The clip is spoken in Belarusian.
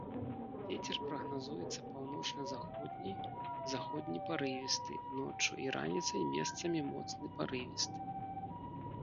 Вецер прагназуецца паўночна-заходні, заходні парывісты, ноччу і раніцай месцамі моцны парывісты.